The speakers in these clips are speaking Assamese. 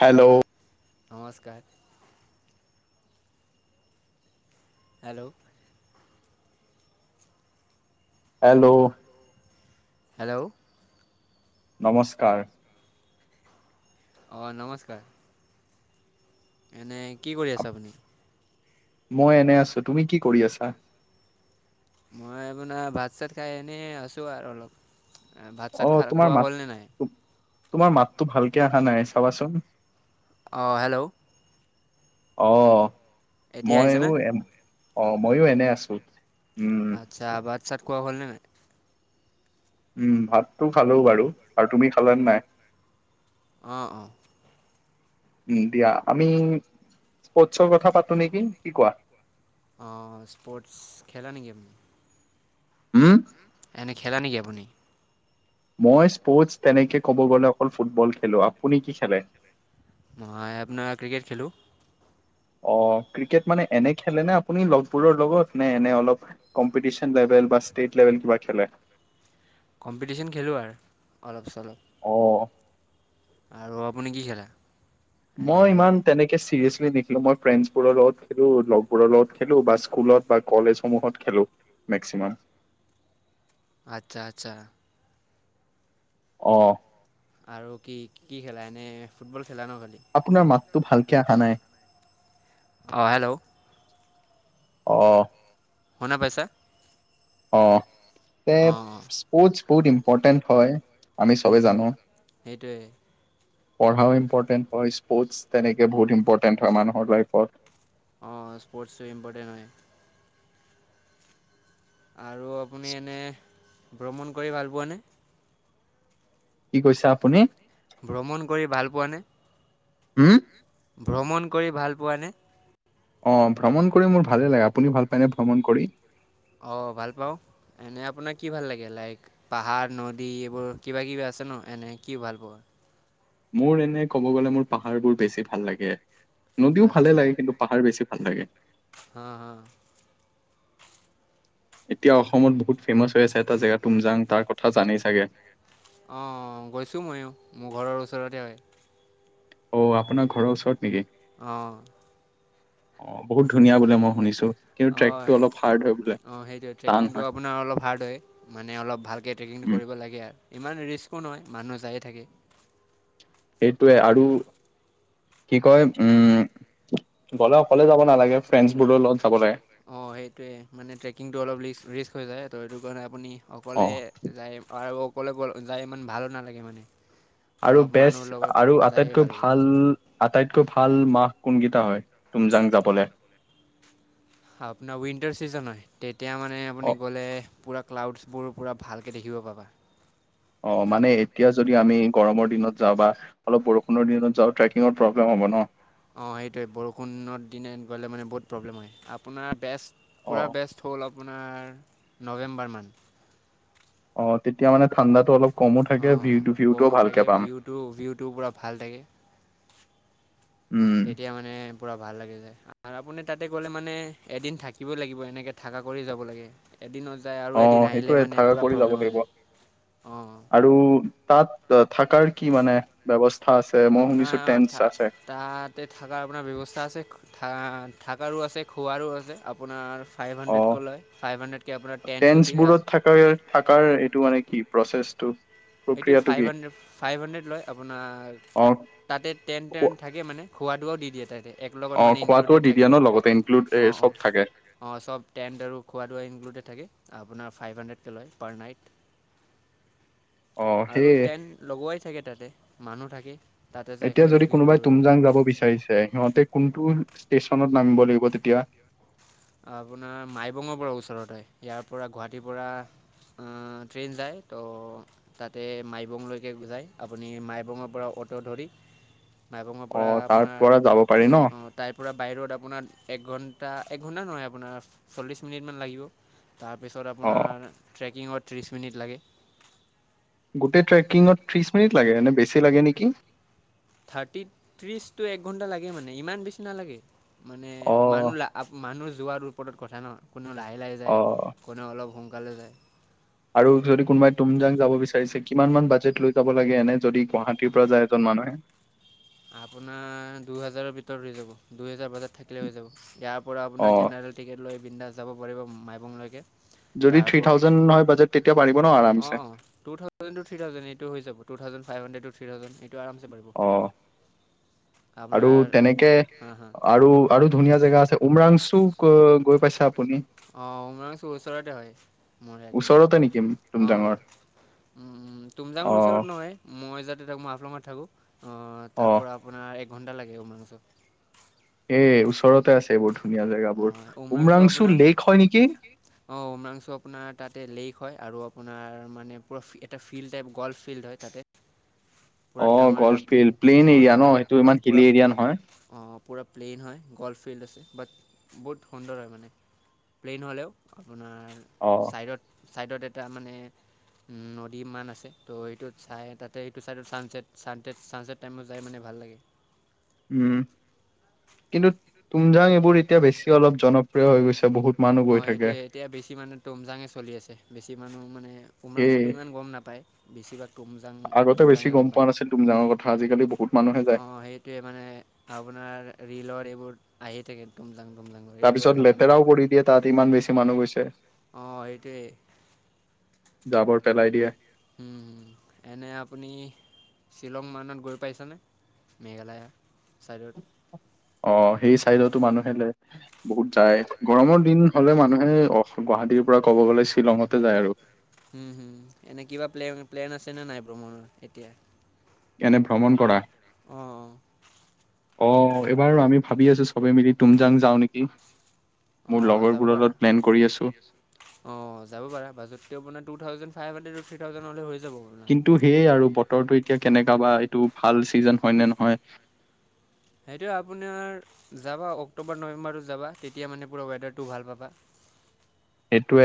হেল্ল' নমস্কাৰ। হেল্ল'। হেল্ল'। হেল্ল'। নমস্কাৰ। অ নমস্কাৰ। এনে কি কৰি আছে আপ- আপুনি? মই এনে আছো। তুমি কি কৰি আছা? মই আপোনাৰ এনে ভাত -চাত খাই এনে আছো আৰু অলপ ভাত অ চাত খা তোমাৰ খোৱা মাত হ'লনে নাই? তোমাৰ মাতটো ভালকে অহা নাই চাবাচোন অঁ হেল্ল' অ এতিয়া মইও আহিছেনে এ অ ময়ো এনে আছো উম আচ্ছা ভাত চাট খোৱা হ নে নাই? উম ভাতটো খালো বাৰু আৰু তুমি খালে নাই? অঁ অঁ উ দিয়া আমি স্পৰ্টছৰ কথা পাতো নেকি কি কোৱা অ স্পৰ্টছ খেলা নেকি আপুনি উম এনে খেলা নেকি আপুনি মই স্পৰ্টছ তেনেকে ক'ব গ'লে অকল ফুটবল খেলোঁ। আপুনি কি খেলে? মই আপোনাৰ ক্ৰিকেট খেলো। অ ক্ৰিকেট মানে এনে খেলে নে আপুনি লগবোৰৰ লগত নে এনে অলপ কম্পিটিচন লে ভেল বা ষ্টেট লেভেল কিবা খেলে? কম্পিটিচন খেলো আৰু অলপ চলপ অঁ। আৰু আপুনি কি খেলে? মই ইমান তেনেকে চিৰিয়াছ লি নেখেলো। মই ফ্ৰেণ্ডছবোৰৰ লগত খেলো, লগবোৰৰ লগত খেলো বা স্কুলত বা কলেজসমূহত খেলো। মেক্সিমাম। আচ্ছা আচ্ছা। অহ আৰু কি কি খেলা এনেই ফুটবল খেলে ন খালি? আপোনাৰ মাতটো ভালকে অহা নাই। অ হেল্ল'! আহ। শুনা পাইচা? অ তে অঁ স্পৰ্টছ বহুত ইম্পৰ্টেণ্ট হয়, আমি হুম চবেই হুম জানো। সেইটোৱে। পঢ়াও ইম্পৰ্টেণ্ট হয়, স্পৰ্টছ তেনেকে বহুত ইম্পৰ্টেণ্ট হয় মানুহৰ লাইফত। অঁ স্পৰ্টছটো ইম্পৰ্টেণ্ট হয়। আৰু আপুনি এনে ভ্ৰমণ কৰি ভাল পোৱানে? কি কৈছা আপুনি? ভ্ৰমণ কৰি ভাল পোৱা নে? হম? ভ্ৰমণ কৰি ভাল পোৱা নে? অ ভ্ৰমণ কৰি মোৰ ভালে লাগে। আপুনি ভাল পায়নে ভ্ৰমণ কৰি? অ ভাল পাওঁ। এনে আপোনাক কি ভাল লাগে লাইক পাহাৰ নদী এইবোৰ কিবা কিবি আ ছে ন এনেই কি ভাল পোৱা? মোৰ এনে কব গ'লে মোৰ পাহাৰবোৰ বেছি ভাল লাগে। নদীও ভালে আচ্ছা লাগে কিন্তু পাহাৰ বেছি ভাল লাগে। হাঁ হাঁ এতিয়া অসমত বহুত ফেমাচ হৈ আছে এটা জেগা তুমজাং তাৰ কথা জানেই চাগে? অ গৈছো ময়ো মোৰ ঘৰৰ ওচৰতে হয়। অ আপোনাৰ ঘৰৰ ওচৰত নেকি? আহ। অ বহুত ধুনীয়া বোলে মই শুনিছো, কিন্তু ট্ৰেকটো অলপ হাৰ্ড হয়। বোলে অ সেইটোৱে, টান ট্ৰেকিংটো হয় আপোনাৰ অলপ হাৰ্ড হয় মানে অলপ ভালকে ট্ৰেকিংটো উম কৰিব লাগে। ইমান ৰিস্কো নহয় মানুহ যায়ে থাকে। সেইটোৱে। আৰু কি কয় উম, গ'লে অকলে যাব নালাগে ফ্ৰেণ্ডছ বোৰৰ লগত যাব লাগে। অ সেইটোৱে, মানে ট্ৰেকিংটো অলপ ৰিস্ক হৈ যায় ত' সেইটো কাৰণে আপুনি অ অকলে যায় আৰু অকলে যায় ইমান ভালো নালাগে মানে। আৰু অলপ মানুহৰ বেষ্ট লগত আৰু যায়েই আটাইতকৈ লাগে। ভাল আটাইত কৈ ভাল মাহ কোনকেইটা হয় তুমজাং যাবলে? আপোনাৰ উইন্টাৰ চিজন হয় তেতিয়া মানে অ আপুনি গ'লে পুৰা ক্লাউডছবোৰ পুৰা ভালকে দেখিব পাবা। অ মানে এতিয়া যদি আমি গৰমৰ দিনত যাওঁ বা অলপ বৰষুণৰ দিনত যাওঁ ট্ৰেকিঙৰ প্ৰব্লেম হব ন? অ সেইটোৱে বৰষুণৰ দিনত গ'লে মানে বহুত প্ৰব্লেম হয়। আপোনাৰ বেষ্ট অ পূৰা বেষ্ট হ'ল আপোনাৰ নৱেম্বৰমান। অ তেতিয়া মানে ঠাণ্ডাতটো অলপ। কমো থাকে অঁ অঁ ভিউটো ভিউটোও কমো ভালকে থাকে পাম ভিউটো ভিউটো পুৰা ভাল থাকে। উম তেতিয়া মানে পুৰা ভাল লাগি যায়। আৰু আপুনি তাতে গ'লে মানে এদিন থাকিবই লাগিব এনেকে থাককা কৰি যাব লাগে এদিন। যায় আৰু অ আহিলে সেইটোয়ে মানে থাকা পূৰা কৰি যাব প্ৰব্লেম হৈ লাগিব যায় অঁ আৰু তাত। থাকাৰ কি মানে ব্যৱস্থা। আছে মই শুনিছো টেন্ট আপোনাৰ থ আছে তাতে থকাৰ আপোনাৰ ব্যৱস্থা আছে। থকাৰো আছে খোৱাৰো আছে আপোনাৰ। ফাইভ অ হাণ্ড্ৰেডকৈ লয় ফাইভ হাণ্ড্ৰেডকৈ আপোনাৰ টেণ্টটো দিয়ে টেন্বোৰত থ থাককাৰ এইটো মানে কি প্ৰচেছ। এইটো ফাইভ হাণ্ড্ৰেড ফাইভ হাণ্ড্ৰেড লয় আপোনাৰ। অ তাতে টেণ্ট টেণ্ খোৱা থাকোনে খোৱাাদোৱা দি। দিয়ে তাতে অ খোৱাাতটোও দি দিয়া ন লগতে এ। ইনক্লুড অ অ চব থাকে অ চব টেন্ট আৰু খোৱাৱা ইনক্ডেড থাকে। আপোনাৰ ফাইভ হাণ্ড্ৰেডকৈ লয় পাৰ নাইট। অ আৰু সেয়ে টেন লগোৱাই থাকে তাতে মানুহ থাকে। তাতে যাই এতিয়া খালি যদি বুকিংটো কোনোবাই কৰিব লাগে তুমজাং যাব বিচাৰিছে সিহঁতে কোনটো। ষ্টেচনত নামিব লাগিব তেতিয়া। আপোনাৰ মাইবঙৰ পৰা ওচৰতে ইয়াৰ পৰা গুৱাহাটীৰ পৰা। ট্ৰেইন যায় ত' তাতে মাইবংলৈকে যায় আপুনি মাইবঙৰ পৰা। অতৰ ধৰি। [unintelligible] মাইবঙৰ অ পৰা তাৰ আপোনাৰ পৰা যাব পাৰি ন অঁ তাইৰ পৰা বাহিৰত আপোনাৰ একঘণ্টা এক। খুন্দা নহয় আপোনাৰ চল্লিছ মিনিটমান লাগিব তাৰপিছত অ আপোনাৰ ট্ৰেকিঙত। ত্ৰিছ মিনিট লাগে। গোটেই ট্ৰেকিঙত ত্ৰিশ মিনিট লাগে বেছি লাগে নেকি। থাৰ্টি ত্ৰিশ টু এক ঘণ্টা লাগে মানে ইমান বেছি নালাগে। মানে অ মানুহ মানুহ যোৱাৰ ওপৰত কথা ন কোনেও লাহে লাহে অ যায় কোনেও অলপ। সোনকালে যায়। আৰু যদি কোনোবাই তুমজাং যাব বিচাৰিছে কিমান মান বাজেট লৈ যাব লাগে এনে যদি গুৱাহাটীৰ পৰা যায় এজন মানুহে। [unintelligible] আপোনাৰ দুহেজাৰৰ ভিতৰত হৈ যাব দুহেজাৰ বজাত। থাকিলে হৈ যাব ইয়াৰ পৰা অ আপোনাৰ জেনেৰেল টিকেট লৈ বৃন্দা যাব পাৰিব মাইবংলৈকে। যদি থ্ৰী থাউজেণ্ড ন বাজেত। তেতিয়া পাৰিব অ টু থাউেজেন থিৰি থাউেজেনটো হৈ যাৱ ফাইহানডেত হৈযাৱ। থিৰিথাডউজেন এইটো অ আৰামছে পাৰিব। আৰু আপোনাৰ তেনেকে হা হা আৰু আৰু ধুনীয়া জেগা আছে। মৰাংচু গৈ পাইছা। অহ উমৰাংছু ওচৰতে হয় মোৰ ইয়াতে ওচৰতে নেকি অ। তুমজাঙৰ উম অ তুমজাঙৰ ওচৰত নহয় মই যাতে তাক মাফলঙাত থাকো। অ অ তাৰ পৰা আপোনাৰ একঘণ্টা লাগে উ মাংসচু। এ ওচৰতে আছে এইবোৰ ধুনীয়া জেগাবোৰ উমৰাংচু লেক। হয় নেকি কি অ উমৰাংছু আপোনাৰ তাতে। লেক হয় আৰু আপোনাৰ মানে প এটা ফিল্ড টাইপ গল্ফ ফিল্ড হয় তাতে। অ গল্পফিল্ড। অ অ পু অ পুৰা প্লেইন হয় গলফ। ফিল্ড আছে বাট বহুত সুন্দৰ হয় মানে প্লেইন হ'লেও। আপোনাৰ অ ছাইডত। চাইডত এটা মানে উ নদী মান আছে ত' এইটোত চাই তাতে এইটো। ত ছানচেট ছানচট ছানচেট টাইমত যাই মানে ভাল লাগে। উম কিন্তু তুম যা বোৰ এতিয়া বেছি অলপ জনপ্ৰিয় হৈ গৈছে বহুত মানুহ অ গৈ থাকে। সেইটোৱে ক মানুহ মানে এই উমংচুটো ইমান গম নাপায় বেছিভাগ তুমজাং আগতে বেছি তুমজাঙে গম পোৱা পায় নাছিল তুমজাঙৰ কথা আজিকালি বহুত মানুহে অ যায় সেইটোৱে মানে আপোনাৰ ৰিলৰ এইবোৰ আহি থাকে একদম দাম তাৰপিছত লেতেৰাও কৰি দিয়ে তাত ইমান বেছি মানুহ গৈছে। অ সেইটোৱে জাবৰ পেলাই দিয়ে উম হ এনে আপুনি শ্বিলং মনত গৈ পাইছেনে। মেঘালয় ছাইডত অ সেই চাইডতো মানুহে বহুত ত যায় গৰমৰ দিন হলে মানুহে অ গুৱাহাটীৰ পৰা ক'ব গ'লে শ্বিলঙতে যায় আৰু উম হম এনে কিবা প্লেন প্লেন আছে নে নাই ভ্ৰমণৰ এতিয়া এনে ভ্ৰমণ কৰা অঁ অঁ অ এইবাৰ আমি ভাবি আছো চবে মিলি তুমজাং যাও নেকি। অ মোৰ যাব লগৰবোৰৰ পাৰা লগত প্লেন কৰি আছো অ যাব পাৰা থ ফাইভ সন্দেৰ্ড থ্ৰী থাউজেণ্ড' পৰি কিন্তু সেয়ে আৰু বতৰটো এতিয়া কেনেককা বা এইটো ভাল চিজন হয় নে নহয় সেইটো আপোনাৰ যাবা অক্টোবৰ নৱেম্বৰত যাবা তেতিয়া মানে পুৰা ৱেডাৰটো ভাল পাবা। সেইটোৱে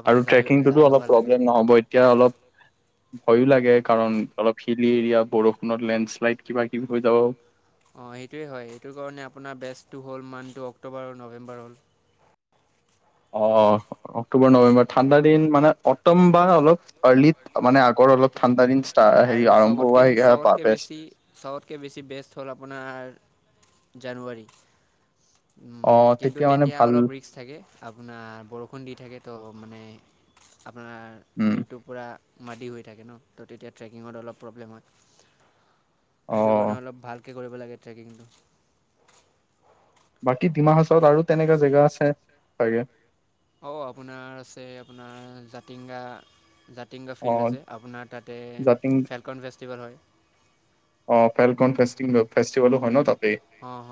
আপোনাৰ আৰু যায়ো ট্ৰেকিংটোতো যায়ো অলপ ভাল লাগিব প্ৰব্লেম নহ'ব এতিয়া অলপ ভয়ো লাগে কাৰণ অলপ হিলি এৰিয়া বৰষুণত লেণ্ডশ্লাইড কিবা কিবি হৈ যাব। অঁ সেইটোৱেই হয় সেইটো কাৰণে আপোনাৰ বেষ্টটো হ'ল মান্থটো অক্টোবৰ আৰু নৱেম্বৰ হ'ল। অ অক্টোবৰ নৱেম্বৰ ঠাণ্ডা দিন মানে অ। টম বা অলপ আৰ্লিত মানে আগত অলপ ঠাণ্ডা দিন ষ্টা হেৰি আৰু আৰম্ভ চবতকে হোৱা বা চবতকে বেষ্ট বেছি চবতকে বেছি বেষ্ট হ'ল আপোনাৰ জানুৱাৰী অ উম কিন্তু মানে তেতিয়া ভাল অলপ ৰিস থাকে আপোনাৰ বৰষুণ দি থাকে ত' মানে আপোনাৰ উম ইউটিউব পৰা মাদি হৈ থাকে ন তো তেতিয়া ট্ৰেকিঙত অলপ প্ৰব্লেম হয় অ এইটো কাৰণে অলপ ভাল কৰিব লাগে ট্ৰেকিংটো বাকী ডিমা হাচত আৰু তেনেকুৱা জেগা আছে চাগে। অ' আপোনাৰ আছে আপোনাৰ জাতিংগা টিংগা অ ফিল্ড আছে আপোনাৰ তাতে জাতিং ফেলকন ফেষ্টিভেল হয়। অ ফেলকনে ফেষ্টিভেলো হয় ন তাত। অঁ হ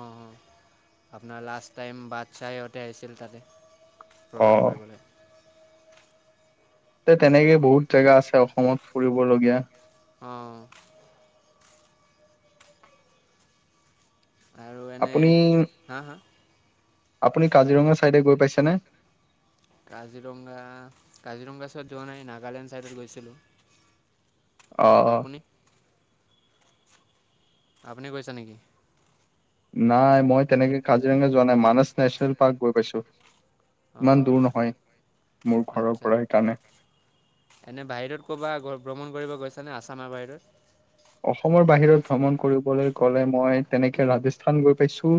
আপোনাৰ লাষ্ট টাইম বাটশাহহঁতে আহিছিল তাতে। অ প্ৰগ্ৰাম কৰিবলৈ। তে তেনেকেই বহুত জেগা আছে অসমত ফুৰিবলগীয়া। অ আৰু এনে আপুনি হা হা আপুনি কাজিৰঙাৰ ছাইডে গৈ পাইছেনে। কাজিৰঙা কাজিৰঙাৰ চাইড যোৱা নাই নাগালেণ্ড ছাইডত গৈছিলোঁ। আৰু অ' আপুনি আপুনি গৈছে নেকি? নাই মই তেনেকে কাজিৰঙা যোৱা নাই মানাস নেশ্যনেল পাৰ্ক গৈ পাইছো। ইমান দূৰ অঁ নহয় মোৰ ঘৰৰ আচ্ছা পৰা সেই কাৰণে এনে বাহিৰত ক'বাত ভ্ৰমণ কৰিব গৈছ নে আছামৰ বাহিৰত অসমৰ বাহিৰত ভ্ৰমণ কৰিবলৈ গ'লে মই তেনেকে ৰাজস্থান গৈ পাইছো।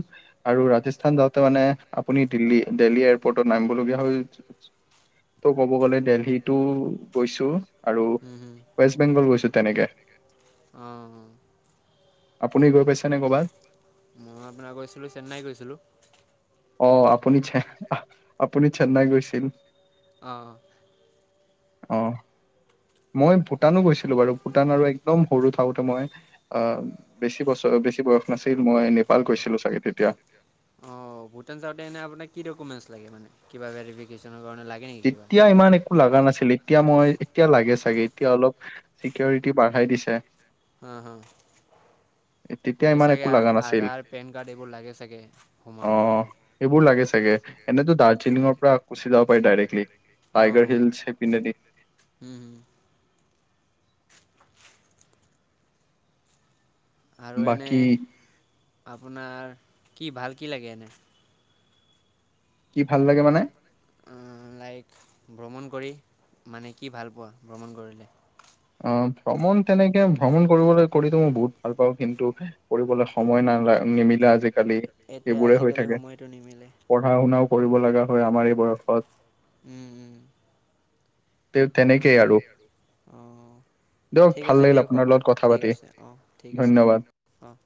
আৰু ৰাজস্থান, যাওঁতে মানে আপুনি দিল্লী, দেলহী এয়াৰপৰ্টট নামিব লগা হয়। যে। ত' ক'ব গ'লে দেলহিতো গৈছো। আৰু হুম হুম। ৱেষ্ট বেংগল গৈছো তেনেকে অ আপুনি গৈ পাইছে নে ক'বাত? মই আপোনাৰ গৈছিলো চেন্নাই গৈছিলো। অ আপুনি চেহ আপুনি চেন্নাই, গৈছিল। অ অ মই ভূটানো গৈছিলো বাৰু ভূটান, আৰু একদম সৰু থাকোতে মই অ বেছি বছৰ- বেছি বয়স নাছিল মই নেপাল গৈছিলো চাগে তেতিয়া অ ভূটান চাওঁতে এনে আপোনাক কি ডকোমেণ্ট লাগে মানো কিবা ভেৰিবিকেশ্যন- তেতিয়া ইমান একো লগা নাছিল এতিয়া মই এতিয়া লাগে চাগে এতিয়া অলপ চিকিৰটি বাঢ়াই দিছে। হম হম। তেতিয়া এতিয়া ইমান চাগে একো লগা নাছিল আধাৰ পেন কাৰ্ড এইবোৰ লাগে চাগে অ সোমাব কাৰণে সেইবোৰ লাগে এনেটো দাৰ্জিলিঙৰ পৰা গুচি যাব পাৰে ডাইৰেক্ট অঁ টাইগাৰ হিলছ সেইপিনেদি- হুম হুম। আৰু এনে বাকী আপোনাৰ কি ভাল কি লাগে এনে কি ভাল লাগে মানে লাইক ভ্ৰমণ কৰি মানে কি ভাল পোৱা ভ্ৰমণ কৰিলে। অ ভ্ৰমণ তেনেকে ভ্ৰমণ কৰিবলৈ কৰিতো মই বহুত ভাল পাওঁ কিন্তু কৰিবলৈ সময় ন নিমিলে। আজিকালি এইটোৱে এইবোৰে হৈ আজিকালি থাকে সময়টো নিমিলে পঢ়া শুনাও কৰিব লগা হয় আমাৰ বয়সত উম! উম! তে তেনেকেই আৰু অঁ দিয়ক ঠিক ভাল আছে লাগিল দিয়ক আপোনাৰ খবৰ লগত কথা ঠিক পাতি আছে অ ঠিক আছে দিয় ধন্যবাদ অ-